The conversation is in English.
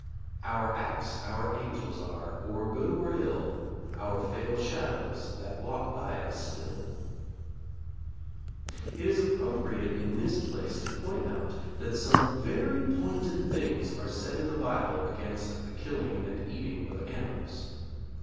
'Our acts our angels are, or good or ill, Our fatal shadows that walk by us still.' It is appropriate in this place to point out that some very pointed things are said in the Bible against the killing and eating of animals.